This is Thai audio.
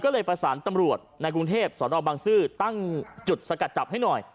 ก็เลยประสานตำรวจในกรุงเทพสนบังซื้อตั้งจุดสกัดจับให้หน่อย